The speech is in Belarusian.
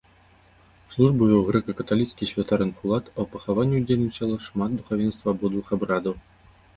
Службу вёў грэка-каталіцкі святар-інфулат, а ў пахаванні ўдзельнічала шмат духавенства абодвух абрадаў.